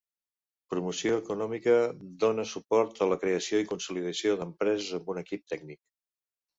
Promoció Econòmica dóna suport a la creació i consolidació d'empreses amb un equip tècnic.